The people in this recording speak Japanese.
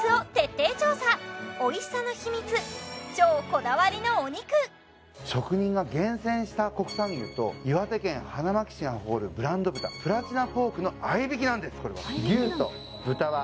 ここからは職人が厳選した国産牛と岩手県花巻市が誇るブランド豚プラチナポークの合いびきなんです